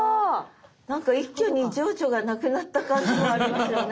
何か一挙に情緒がなくなった感じもありますよね。